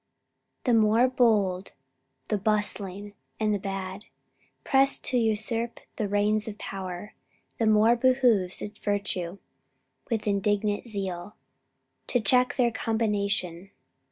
"The more the bold, the bustling, and the bad, Press to usurp the reins of power, the more Behooves it virtue, with indignant zeal, To check their combination."